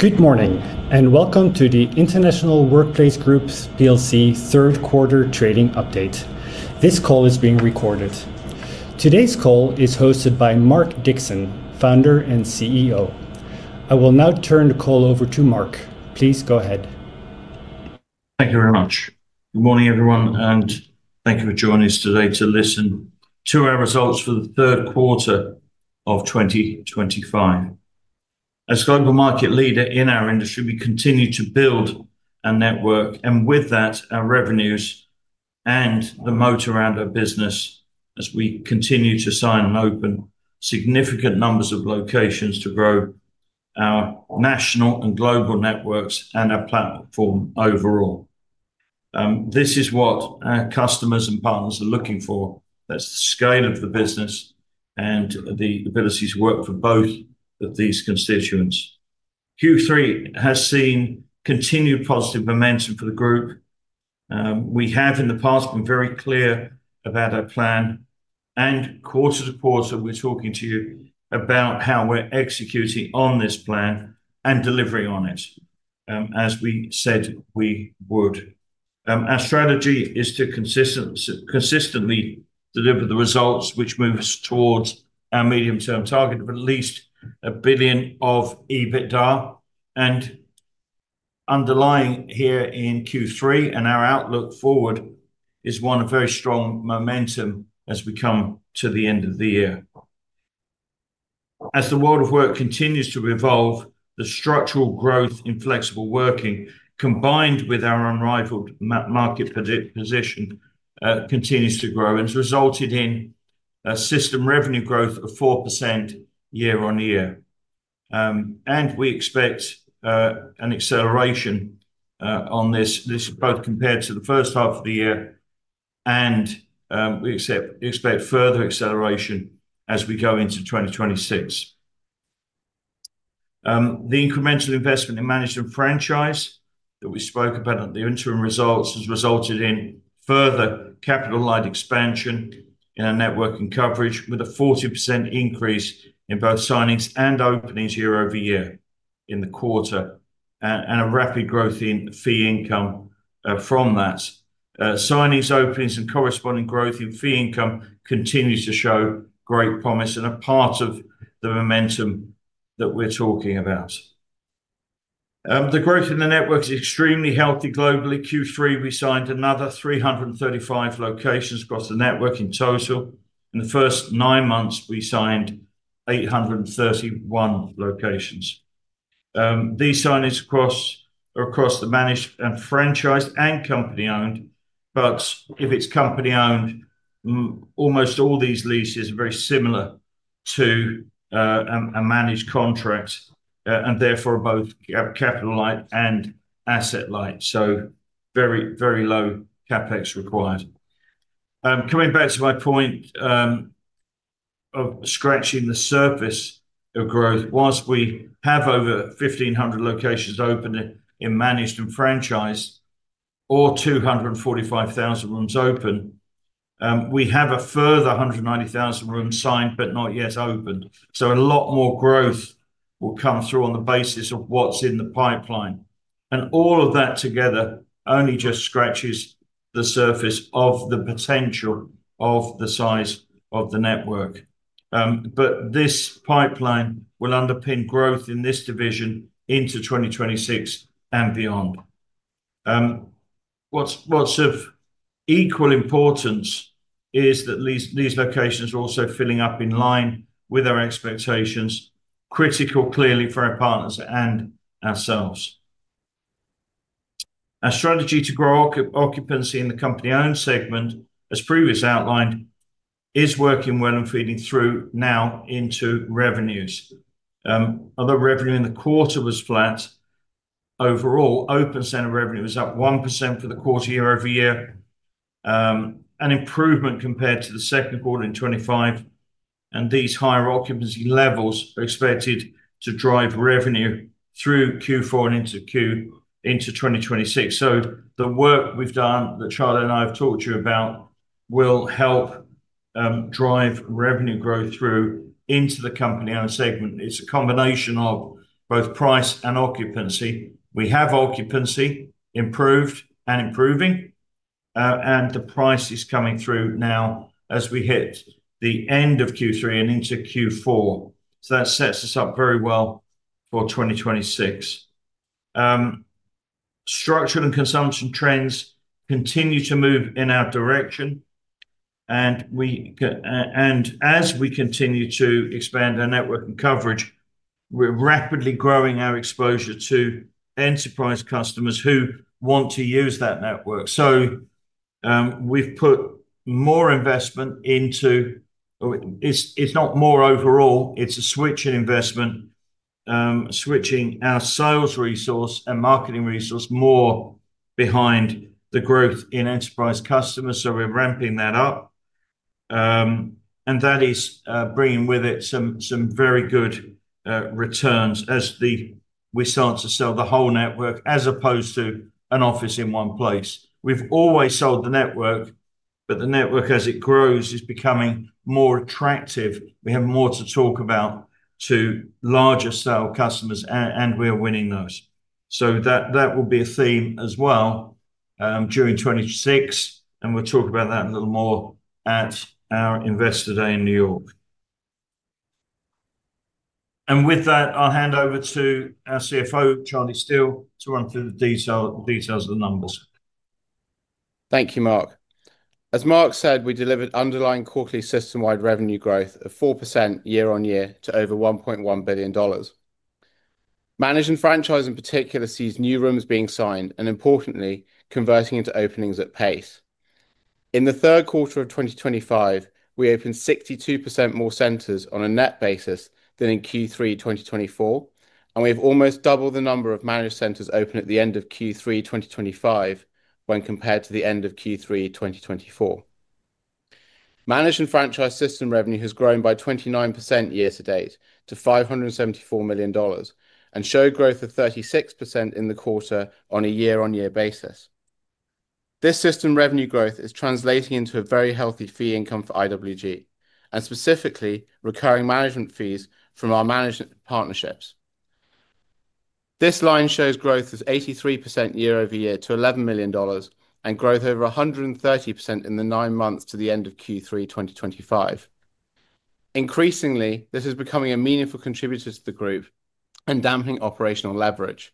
Good morning, and welcome to the International Workplace Group third-quarter trading update. This call is being recorded. Today's call is hosted by Mark Dixon, founder and CEO. I will now turn the call over to Mark. Please go ahead. Thank you very much. Good morning, everyone, and thank you for joining us today to listen to our results for the third quarter of 2025. As a global market leader in our industry, we continue to build our network, and with that, our revenues, and the motor around our business as we continue to sign and open significant numbers of locations to grow our national and global networks and our platform overall. This is what our customers and partners are looking for. That is the scale of the business. And the ability to work for both of these constituents. Q3 has seen continued positive momentum for the group. We have, in the past, been very clear about our plan. Quarter to quarter, we are talking to you about how we are executing on this plan and delivering on it. As we said, we would. Our strategy is to consistently deliver the results, which moves towards our medium-term target of at least $1 billion of EBITDA. Underlying here in Q3 and our outlook forward is one of very strong momentum as we come to the end of the year. As the world of work continues to evolve, the structural growth in flexible working, combined with our unrivaled market position, continues to grow and has resulted in a System Revenue growth of 4% year on year. We expect an acceleration on this, both compared to the first half of the year, and we expect further acceleration as we go into 2026. The incremental Investment in management franchise that we spoke about at the interim results has resulted in further capital-led expansion in our network and coverage, with a 40% increase in both signings and openings year over year in the quarter, and a rapid growth in fee income from that. Signings, openings, and corresponding growth in Fee Income continues to show great promise and are part of the momentum that we are talking about. The growth in the network is extremely healthy globally. Q3, we signed another 335 locations across the network in total. In the first nine months, we signed 831 locations. These signings are across the Managed and Franchised and company-owned, but if it is company-owned, almost all these leases are very similar to a managed contract, and therefore both capital-light and asset-light. So very, very low CapEx required. Coming back to my point of scratching the surface of growth, whilst we have over 1,500 locations open in managed and franchised, or 245,000 rooms open, we have a further 190,000 rooms signed but not yet opened. A lot more growth will come through on the basis of what is in the pipeline. All of that together only just scratches the surface of the potential of the size of the network. This pipeline will underpin growth in this division into 2026 and beyond. What is of equal importance is that these locations are also filling up in line with our expectations, critical clearly for our partners and ourselves. Our strategy to grow occupancy in the company-owned segment, as previously outlined, is working well and feeding through now into revenues. Although revenue in the quarter was flat, overall, open center revenue was up 1% for the quarter year over year, an improvement compared to the second quarter in 2025. These higher occupancy levels are expected to drive revenue through Q4 and into Q1 2026. The work we've done that Charlie and I have talked to you about will help drive revenue growth through into the Company-Owned segment. It's a combination of both price and occupancy. We have occupancy improved and improving, and the price is coming through now as we hit the end of Q3 and into Q4. That sets us up very well for 2026. Structural and consumption trends continue to move in our direction. As we continue to expand our network and coverage, we're rapidly growing our exposure to enterprise customers who want to use that network. We've put more investment into it. It's not more overall; it's a switch in investment, switching our sales resource and marketing resource more behind the growth in enterprise customers. We're ramping that up, and that is bringing with it some very good returns as we start to sell the whole network as opposed to an office in one place. We've always sold the network, but the network, as it grows, is becoming more attractive. We have more to talk about to larger sale customers, and we are winning those. That will be a theme as well during 2026, and we'll talk about that a little more at our investor day in New York. With that, I'll hand over to our CFO, Charlie Steel, to run through the details of the numbers. Thank you, Mark. As Mark said, we delivered underlying quarterly system-wide revenue growth of 4% year on year to over $1.1 billion. Managed and Franchised, in particular, sees new rooms being signed and, importantly, converting into openings at pace. In the third quarter of 2025, we opened 62% more centers on a net basis than in Q3 2024, and we have almost doubled the number of managed centers open at the end of Q3 2025 when compared to the end of Q3 2024. Managed and franchised System Revenue has grown by 29% year to date to $574 million, and showed growth of 36% in the quarter on a year-on-year basis. This System Revenue growth is translating into a very healthy Fee Income for IWG, and specifically recurring management fees from our management partnerships. This line shows growth of 83% year over year to $11 million, and growth over 130% in the nine months to the end of Q3 2025. Increasingly, this is becoming a meaningful contributor to the group and dampening operational leverage.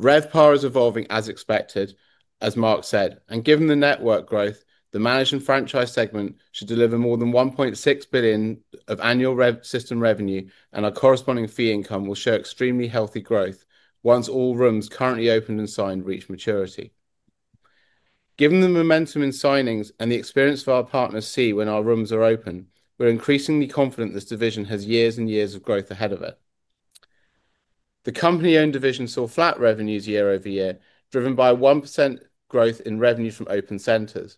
RevPAR is evolving as expected, as Mark said. Given the network growth, the Managed and Franchised segment should deliver more than $1.6 billion of annual System Revenue, and our corresponding Fee Income will show extremely healthy growth once all rooms currently opened and signed reach maturity. Given the momentum in signings and the experience our partners see when our rooms are open, we're increasingly confident this division has years and years of growth ahead of it. The Company-Owned division saw flat revenues year over year, driven by 1% growth in revenue from open centers.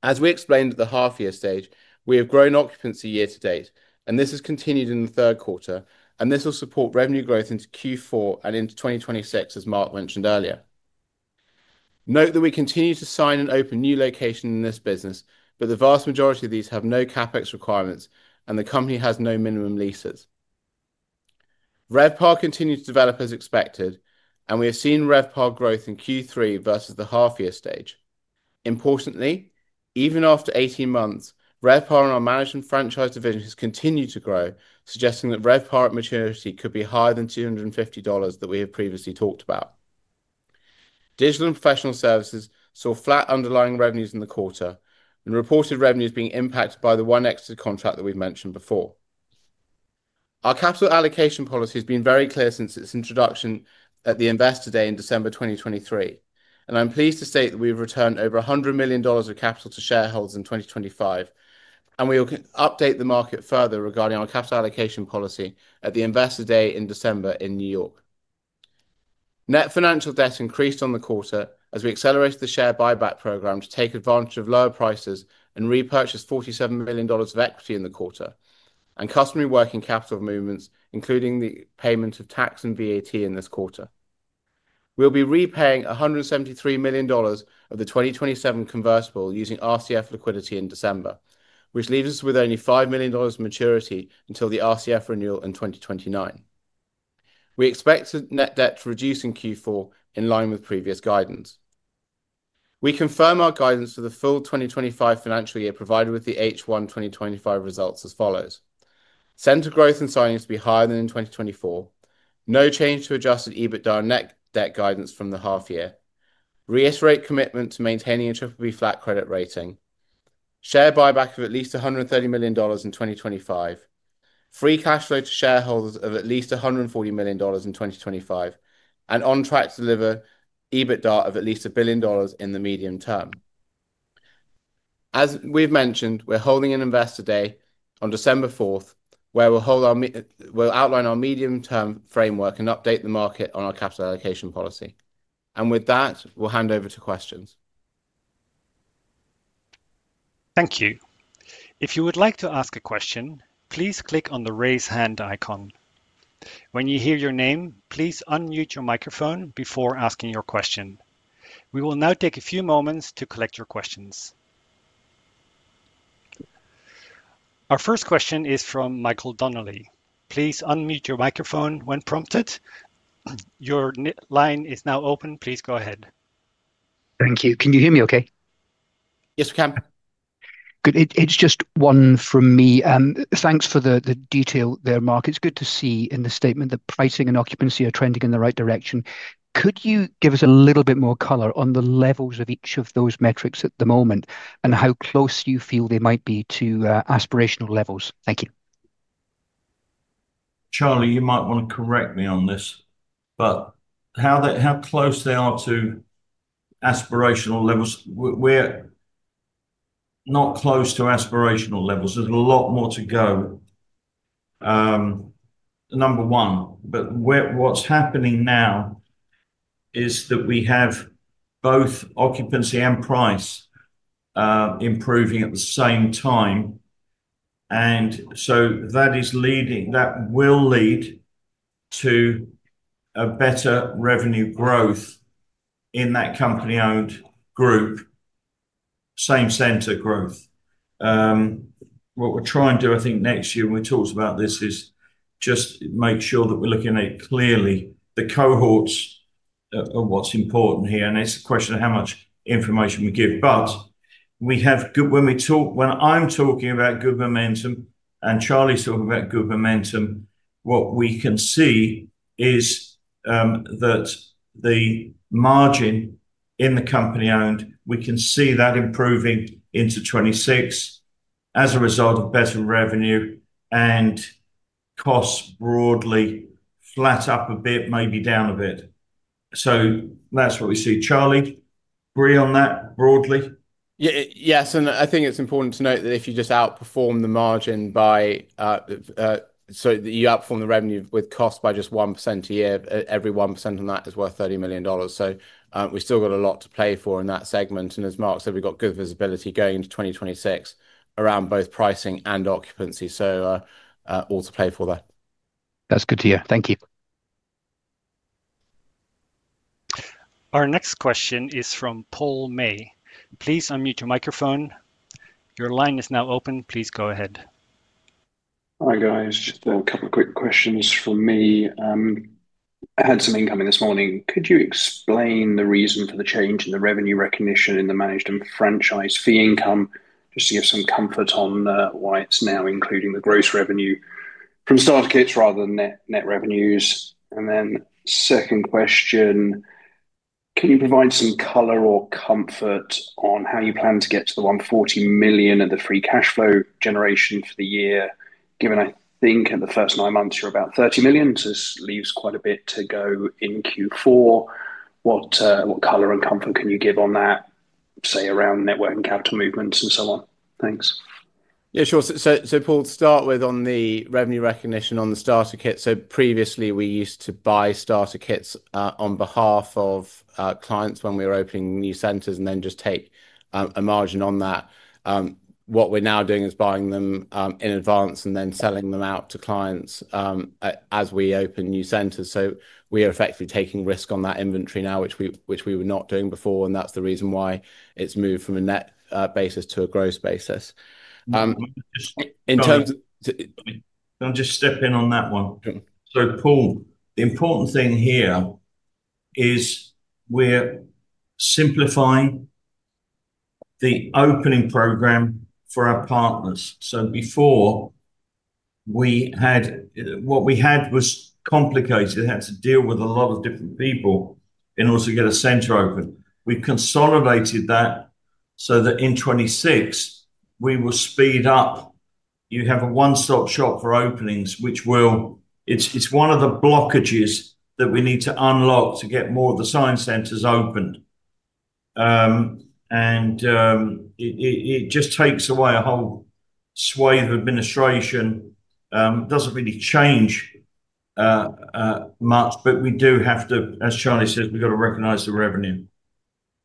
As we explained at the half-year stage, we have grown occupancy year to date, and this has continued in the third quarter, and this will support revenue growth into Q4 and into 2026, as Mark mentioned earlier. Note that we continue to sign and open new locations in this business, but the vast majority of these have no CapEx requirements, and the company has no minimum leases. RevPAR continues to develop as expected, and we have seen RevPAR growth in Q3 versus the half-year stage. Importantly, even after 18 months, RevPAR in our Managed and Franchised division has continued to grow, suggesting that RevPAR at maturity could be higher than $250 that we have previously talked about. Digital and professional services saw flat underlying revenues in the quarter, and reported revenues being impacted by the one exit contract that we've mentioned before. Our capital allocation policy has been very clear since its introduction at the investor day in December 2023, and I'm pleased to state that we have returned over $100 million of capital to shareholders in 2025, and we will update the market further regarding our capital allocation policy at the Investor day in December in New York. Net financial Debt increased on the quarter as we accelerated the share buyback program to take advantage of lower prices and repurchased $47 million of equity in the quarter, and customary working capital movements, including the payment of tax and VAT in this quarter. We'll be repaying $173 million of the 2027 convertible using RCF liquidity in December, which leaves us with only $5 million of maturity until the RCF renewal in 2029. We expect net debt to reduce in Q4 in line with previous guidance. We confirm our guidance for the full 2025 financial year provided with the H1 2025 results as follows. Center growth and signings to be higher than in 2024. No change to adjusted EBITDA or net debt guidance from the half-year. Reiterate commitment to maintaining a triple B flat credit rating. Share buyback of at least $130 million in 2025. Free cash flow to shareholders of at least $140 million in 2025, and on track to deliver EBITDA of at least $1 billion in the medium term. As we've mentioned, we're holding an Investor day on December 4, where we'll outline our medium-term framework and update the market on our capital allocation policy. With that, we'll hand over to questions. Thank you. If you would like to ask a question, please click on the raise hand icon. When you hear your name, please unmute your microphone before asking your question. We will now take a few moments to collect your questions. Our first question is from Michael Donnelly. Please unmute your microphone when prompted. Your line is now open. Please go ahead. Thank you. Can you hear me okay? Yes, we can. Good. It's just one from me. Thanks for the detail there, Mark. It's good to see in the statement that pricing and occupancy are trending in the right direction. Could you give us a little bit more color on the levels of each of those metrics at the moment and how close you feel they might be to aspirational levels? Thank you. Charlie, you might want to correct me on this, but how close they are to aspirational levels? We're not close to aspirational levels. There's a lot more to go, number one, but what's happening now is that we have both occupancy and price improving at the same time, and that will lead to a better revenue growth in that Company-Owned group, same center growth. What we're trying to do, I think next year, and we talked about this, is just make sure that we're looking at it clearly, the cohorts of what's important here. It's a question of how much information we give. When I'm talking about good momentum and Charlie's talking about good momentum, what we can see is that the margin in the company-owned, we can see that improving into 2026 as a result of better revenue and costs broadly flat, up a bit, maybe down a bit. That's what we see. Charlie, agree on that broadly? Yes. I think it's important to note that if you just outperform the margin by, so that you outperform the revenue with costs by just 1% a year, every 1% on that is worth $30 million. We've still got a lot to play for in that segment. As Marc said, we've got good visibility going into 2026 around both pricing and occupancy. All to play for there. That's good to hear. Thank you. Our next question is from Paul May. Please unmute your microphone. Your line is now open. Please go ahead. Hi, guys. Just a couple of quick questions from me. I had some income in this morning. Could you explain the reason for the change in the revenue recognition in the managed and franchised fee income, just to give some comfort on why it's now including the gross revenue from starter kits rather than net revenues? Then second question. Can you provide some color or comfort on how you plan to get to the $140 million of the free cash flow generation for the year, given, I think, in the first nine months, you're about $30 million, so this leaves quite a bit to go in Q4? What color and comfort can you give on that, say, around network and capital movements and so on? Thanks. Yeah, sure. So Paul, to start with on the revenue recognition on the Starter kit, previously, we used to buy Starter kits on behalf of clients when we were opening new centers and then just take a margin on that. What we're now doing is buying them in advance and then selling them out to clients as we open new centers. We are effectively taking risk on that inventory now, which we were not doing before, and that's the reason why it's moved from a net basis to a gross basis. In terms of. I'll just step in on that one. Paul, the important thing here is we're simplifying the opening program for our partners. Before, what we had was complicated. We had to deal with a lot of different people in order to get a center open. We've consolidated that so that in 2026, we will speed up. You have a one-stop shop for openings, which will it's one of the blockages that we need to unlock to get more of the signed centers opened. It just takes away a whole swathe of administration. It doesn't really change much, but we do have to, as Charlie says, we've got to recognize the revenue.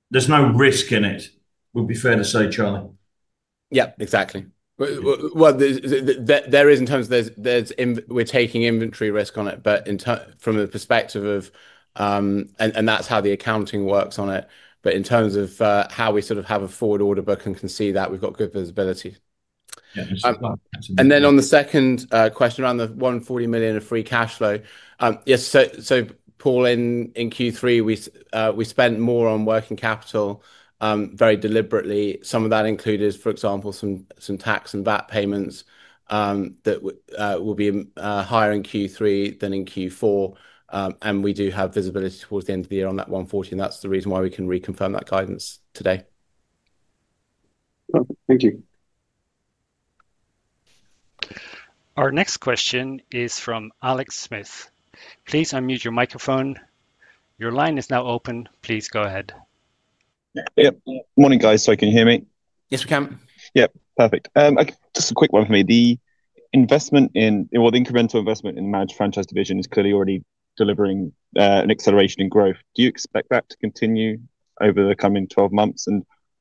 There's no risk in it, would be fair to say, Charlie. Yeah, exactly. There is in terms of we're taking inventory risk on it, but from the perspective of, and that's how the accounting works on it. In terms of how we sort of have a forward order book and can see that, we've got good visibility. Yeah. On the second question around the $140 million of free cash flow, yes. Paul, in Q3, we spent more on working capital. Very deliberately. Some of that included, for example, some tax and VAT payments. That will be higher in Q3 than in Q4. We do have visibility towards the end of the year on that $140 million. That's the reason why we can reconfirm that guidance today. Thank you. Our next question is from Alex Smith. Please unmute your microphone. Your line is now open. Please go ahead. Yeah. Good morning, guys. Can you hear me? Yes, we can. Yeah. Perfect. Just a quick one for me. The investment in, well, the incremental investment in the managed franchise division is clearly already delivering an acceleration in growth. Do you expect that to continue over the coming 12 months?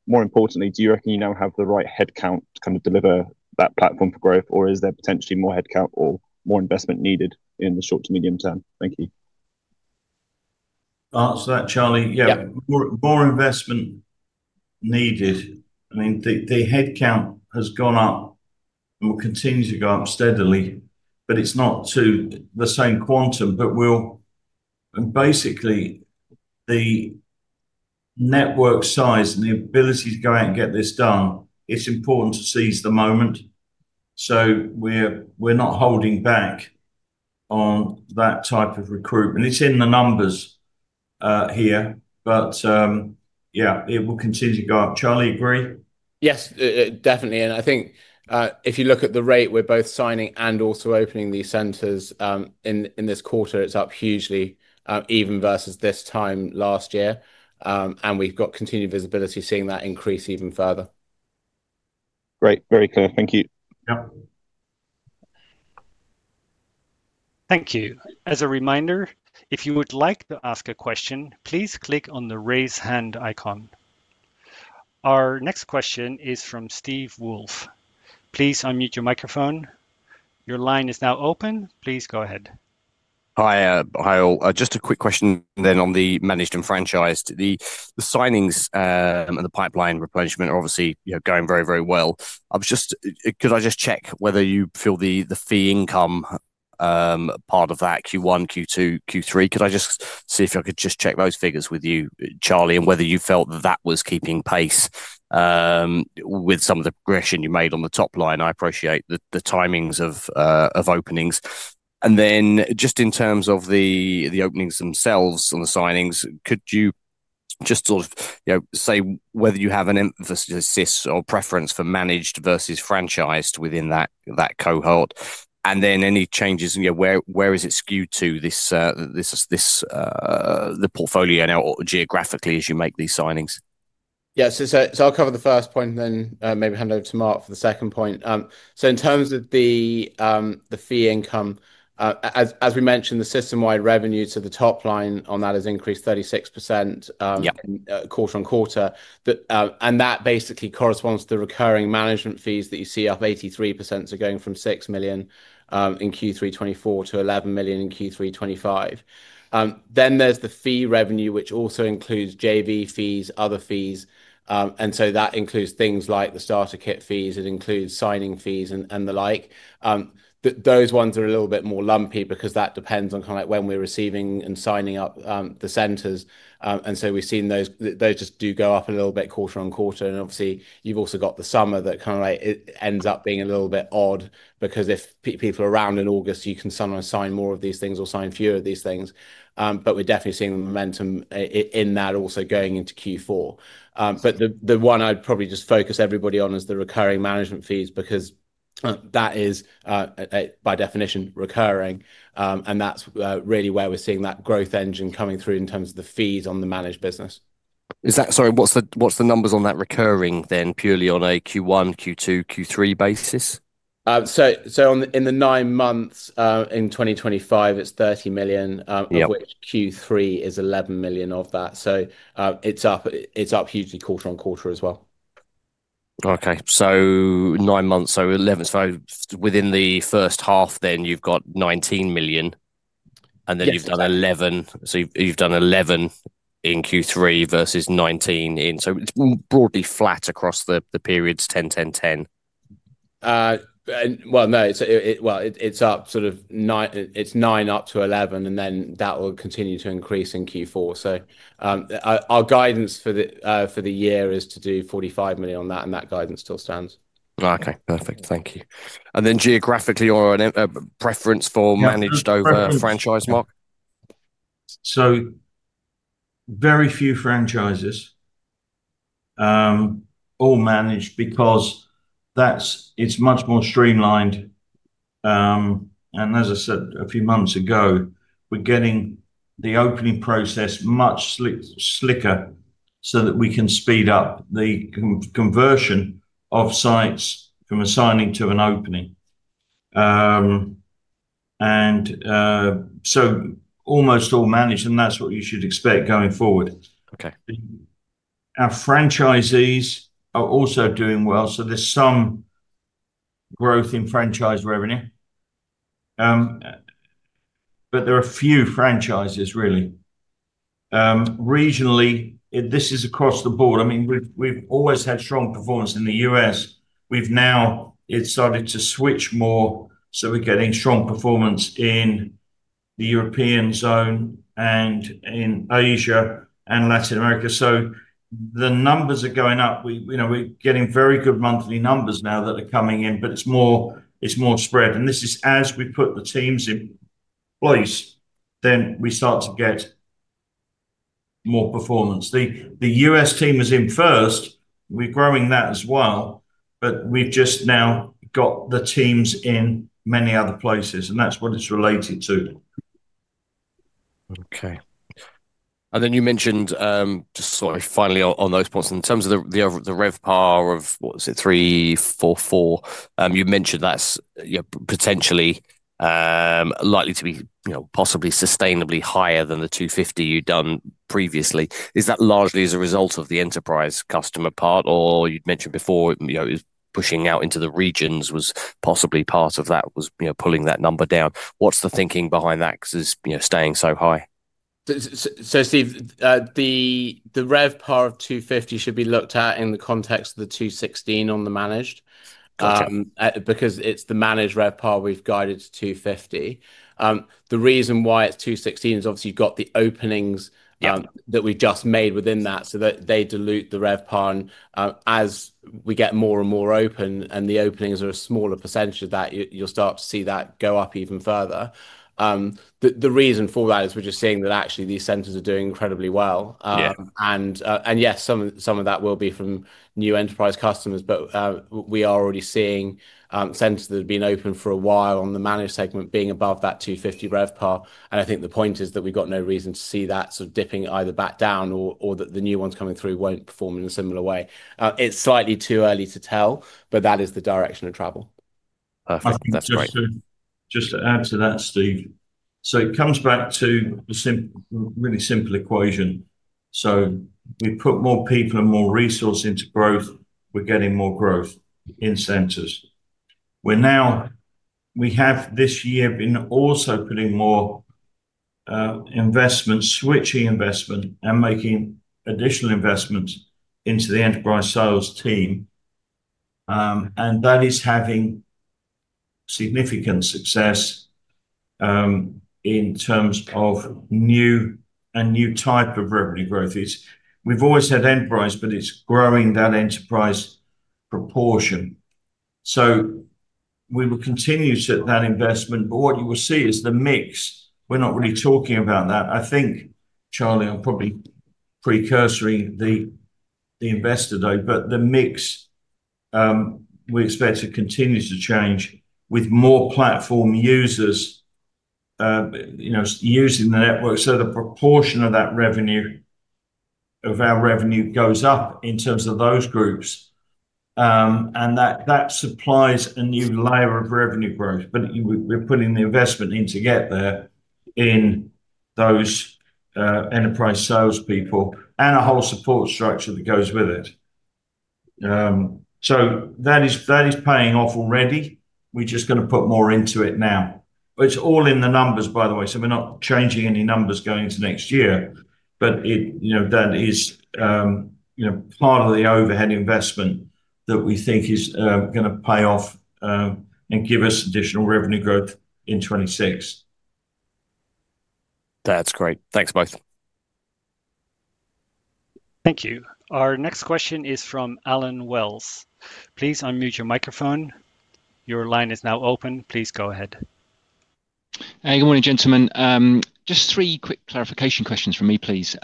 More importantly, do you reckon you now have the right headcount to kind of deliver that platform for growth, or is there potentially more headcount or more investment needed in the short to medium term? Thank you. Answer that, Charlie. Yeah. More investment needed. I mean, the headcount has gone up and will continue to go up steadily, but it's not to the same quantum, but we'll basically, the network size and the ability to go out and get this done, it's important to seize the moment. We're not holding back on that type of recruitment. It's in the numbers here, but yeah, it will continue to go up. Charlie, agree? Yes, definitely. I think if you look at the rate we're both signing and also opening these centers in this quarter, it's up hugely, even versus this time last year. We've got continued visibility, seeing that increase even further. Great. Very clear. Thank you. Yep. Thank you. As a reminder, if you would like to ask a question, please click on the raise hand icon. Our next question is from Steve Wolff. Please unmute your microphone. Your line is now open. Please go ahead. Hi, Hyle. Just a quick question then on the Managed and Franchised. The signings and the pipeline replenishment are obviously going very, very well. Could I just check whether you feel the Fee Income part of that Q1, Q2, Q3? Could I just see if I could just check those figures with you, Charlie, and whether you felt that that was keeping pace with some of the progression you made on the top line? I appreciate the timings of openings. In terms of the openings themselves on the signings, could you just sort of say whether you have an emphasis or preference for managed versus franchised within that cohort? Any changes, where is it skewed to the portfolio now geographically as you make these signings? Yeah. So I'll cover the first point, then maybe hand over to Mark for the second point. In terms of the fee income, as we mentioned, the system-wide revenue to the top line on that has increased 36% quarter on quarter. That basically corresponds to the recurring management fees that you see up 83%, going from $6 million in Q3 2024 to $11 million in Q3 2025. Then there's the fee revenue, which also includes JV fees, other fees. That includes things like the starter kit fees, signing fees, and the like. Those ones are a little bit more lumpy because that depends on kind of when we're receiving and signing up the centers. We've seen those just do go up a little bit quarter on quarter. Obviously, you've also got the summer that kind of ends up being a little bit odd because if people are around in August, you can sometimes sign more of these things or sign fewer of these things. We're definitely seeing the momentum in that also going into Q4. The one I'd probably just focus everybody on is the recurring management fees because that is, by definition, recurring. That's really where we're seeing that growth engine coming through in terms of the fees on the managed business. Sorry, what's the numbers on that recurring then, purely on a Q1, Q2, Q3 basis? In the nine months in 2025, it's $30 million, of which Q3 is $11 million of that. It's up hugely quarter on quarter as well. Okay. Nine months, so 11. Within the first half, then you've got 19 million. You've done 11. You've done 11 in Q3 versus 19 in. It's broadly flat across the periods, 10, 10, 10. No, it's up sort of. Nine up to 11, and then that will continue to increase in Q4. Our guidance for the year is to do $45 million on that, and that guidance still stands. Okay. Perfect. Thank you. And then geographically, your preference for managed over franchise, Mark? Very few franchises. All managed because it is much more streamlined. As I said a few months ago, we are getting the opening process much slicker so that we can speed up the conversion of sites from a signing to an opening. Almost all managed, and that is what you should expect going forward. Okay. Our franchisees are also doing well, so there's some growth in franchise revenue. But there are few franchises, really. Regionally, this is across the board. I mean, we've always had strong performance in the US. We've now started to switch more, so we're getting strong performance in the European zone and in Asia and Latin America. The numbers are going up. We're getting very good monthly numbers now that are coming in, but it's more spread. This is as we put the teams in place, then we start to get more performance. The US team is in first. We're growing that as well, but we've just now got the teams in many other places, and that's what it's related to. Okay. You mentioned, just finally on those points, in terms of the RevPAR of, what is it, $344, you mentioned that's potentially, likely to be possibly sustainably higher than the $250 you'd done previously. Is that largely as a result of the enterprise customer part, or you'd mentioned before pushing out into the regions was possibly part of that, was pulling that number down? What's the thinking behind that? Because it's staying so high. Steve, the RevPAR of $250 should be looked at in the context of the $216 on the managed. Because it is the managed RevPAR we have guided to $250. The reason why it is $216 is obviously you have got the openings that we have just made within that so that they dilute the RevPAR. As we get more and more open and the openings are a smaller percentage of that, you will start to see that go up even further. The reason for that is we are just seeing that actually these centers are doing incredibly well. Yes, some of that will be from new enterprise customers, but we are already seeing centers that have been open for a while on the managed segment being above that $250 RevPAR. I think the point is that we have got no reason to see that sort of dipping either back down or that the new ones coming through will not perform in a similar way. It is slightly too early to tell, but that is the direction of travel. Perfect. That's great. Just to add to that, Steve, it comes back to a really simple equation. We put more people and more resources into growth. We're getting more growth in centers. We have this year also been putting more investment, switching investment, and making additional investments into the enterprise sales team. That is having significant success in terms of new type of revenue growth. We've always had enterprise, but it's growing that enterprise proportion. We will continue to set that investment. What you will see is the mix. We're not really talking about that. I think, Charlie, I'm probably precursoring the investor, though, but the mix. We expect to continue to change with more platform users using the network. The proportion of that revenue, of our revenue, goes up in terms of those groups. That supplies a new layer of revenue growth. We're putting the Investment in to get there in those enterprise salespeople and a whole support structure that goes with it. That is paying off already. We're just going to put more into it now. It's all in the numbers, by the way. We're not changing any numbers going into next year. That is part of the overhead Investment that we think is going to pay off and give us additional revenue growth in 2026. That's great. Thanks, both. Thank you. Our next question is from Alan Wells. Please unmute your microphone. Your line is now open. Please go ahead. Good morning, gentlemen. Just three quick clarification questions from me, please.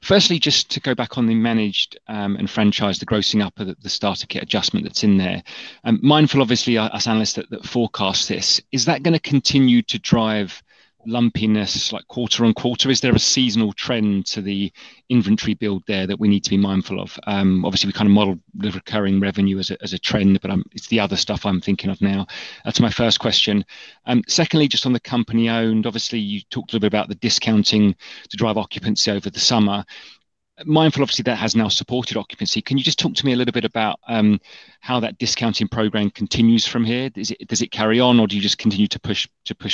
Firstly, just to go back on the managed and franchise, the grossing up, the starter kit adjustment that's in there. Mindful, obviously, as analysts that forecast this. Is that going to continue to drive lumpiness like quarter on quarter? Is there a seasonal trend to the inventory build there that we need to be mindful of? Obviously, we kind of model the recurring revenue as a trend, but it's the other stuff I'm thinking of now. That's my first question. Secondly, just on the company-owned, obviously, you talked a little bit about the discounting to drive occupancy over the summer. Mindful, obviously, that has now supported occupancy. Can you just talk to me a little bit about how that discounting program continues from here? Does it carry on, or do you just continue to push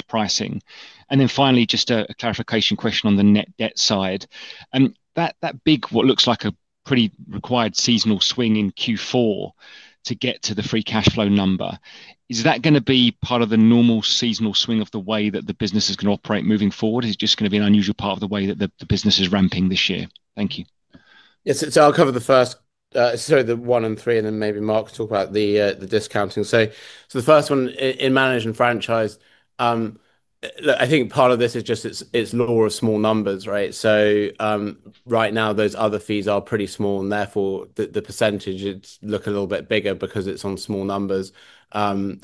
pricing? And then finally, just a clarification question on the net debt side. That big, what looks like a pretty required seasonal swing in Q4 to get to the free cash flow number, is that going to be part of the normal seasonal swing of the way that the business is going to operate moving forward? Is it just going to be an unusual part of the way that the business is ramping this year? Thank you. Yeah. I'll cover the first, sorry, the one and three, and then maybe Mark talk about the discounting. The first one in Managed and Franchised. I think part of this is just its lure of small numbers, right? Right now, those other fees are pretty small, and therefore, the percentages look a little bit bigger because it's on small numbers. We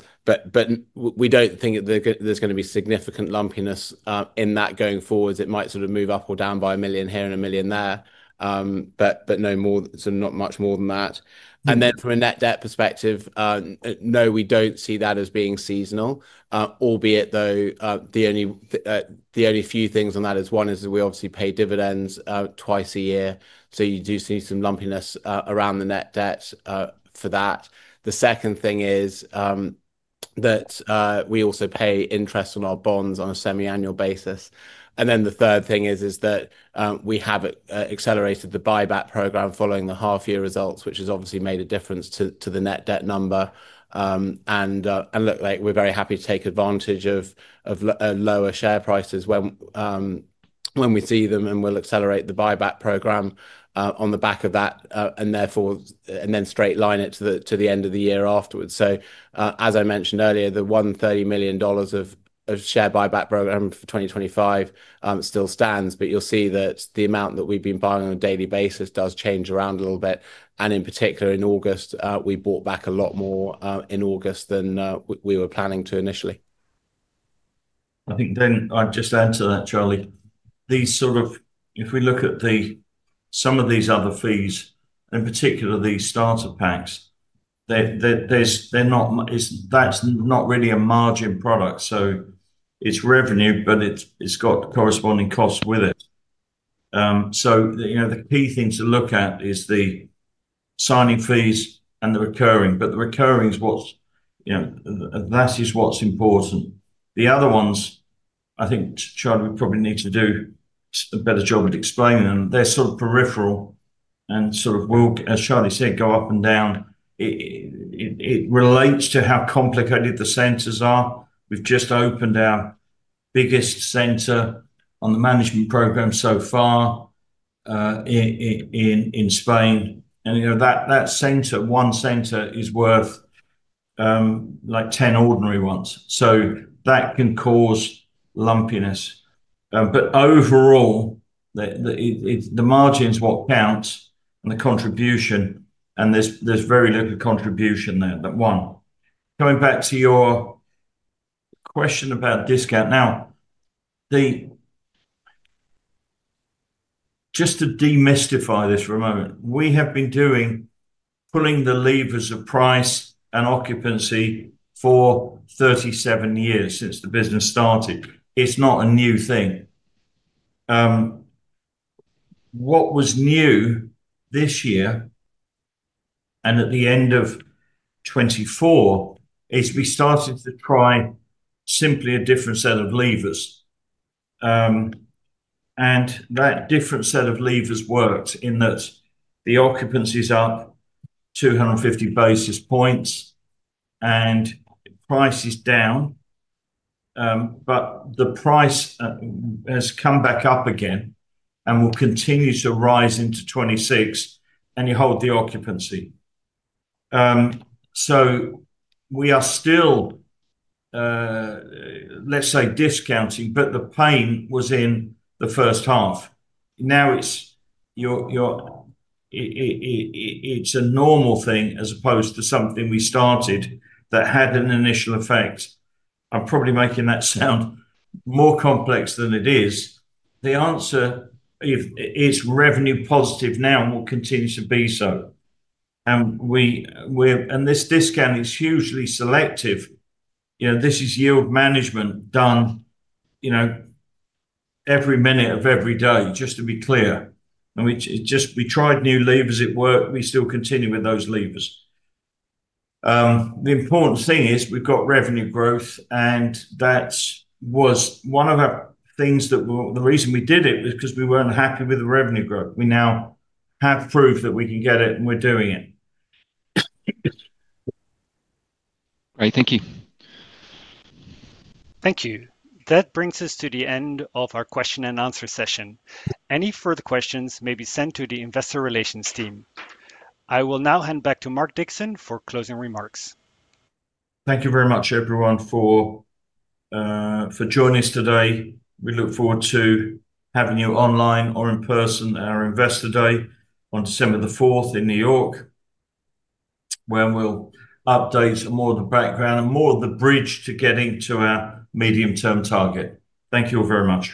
don't think there's going to be significant lumpiness in that going forwards. It might sort of move up or down by a million here and a million there, but no more, so not much more than that. From a net debt perspective, no, we don't see that as being seasonal, albeit though the only few things on that is one is we obviously pay dividends twice a year. You do see some lumpiness around the net debt for that. The second thing is that we also pay interest on our bonds on a semi-annual basis. The third thing is that we have accelerated the buyback program following the half-year results, which has obviously made a difference to the net debt number. Look, we're very happy to take advantage of lower share prices when we see them, and we'll accelerate the buyback program on the back of that, and then straight line it to the end of the year afterwards. As I mentioned earlier, the $130 million of share buyback program for 2025 still stands, but you'll see that the amount that we've been buying on a daily basis does change around a little bit. In particular, in August, we bought back a lot more in August than we were planning to initially. I think I've just added to that, Charlie. These sort of, if we look at some of these other fees, in particular, these starter packs. That's not really a margin product. So it's revenue, but it's got corresponding costs with it. The key things to look at is the signing fees and the recurring. But the recurring is what's, that is what's important. The other ones, I think, Charlie, we probably need to do a better job at explaining them. They're sort of peripheral and sort of will, as Charlie said, go up and down. It relates to how complicated the centers are. We've just opened our biggest center on the management program so far in Spain. That center, one center, is worth like 10 ordinary ones. That can cause lumpiness. Overall, the margin is what counts and the contribution, and there's very little contribution there. One, coming back to your question about discount. Now, just to demystify this for a moment, we have been doing, pulling the levers of price and occupancy for 37 years since the business started. It's not a new thing. What was new this year and at the end of 2024 is we started to try simply a different set of levers. That different set of levers works in that the occupancies are 250 basis points, and price is down. The price has come back up again and will continue to rise into 2026 and you hold the occupancy. We are still, let's say, discounting, but the pain was in the first half. Now, it's a normal thing as opposed to something we started that had an initial effect. I'm probably making that sound more complex than it is. The answer is revenue positive now and will continue to be so. This discount is hugely selective. This is yield management done every minute of every day, just to be clear. We tried new levers. It worked. We still continue with those levers. The important thing is we've got revenue growth, and that was one of our things that the reason we did it was because we weren't happy with the revenue growth. We now have proof that we can get it, and we're doing it. Great. Thank you. Thank you. That brings us to the end of our question and answer session. Any further questions may be sent to the investor relations team. I will now hand back to Mark Dixon for closing remarks. Thank you very much, everyone, for joining us today. We look forward to having you online or in person at our Investor day on December the 4th in New York, when we'll update more of the background and more of the bridge to getting to our medium-term target. Thank you all very much.